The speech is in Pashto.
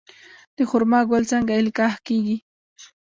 د خرما ګل څنګه القاح کیږي؟